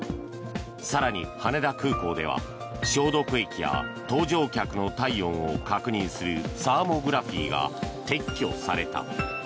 更に羽田空港では消毒液や搭乗客の体温を確認するサーモグラフィーが撤去された。